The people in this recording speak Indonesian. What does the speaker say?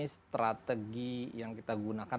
strategi yang kita gunakan